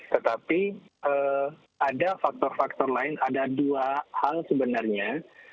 tetapi ada faktor faktor lain ada dua hal sebenarnya